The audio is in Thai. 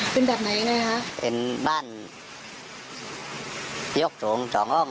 เป็นแบบไหนนะฮะเป็นบ้านยกสูงสององค์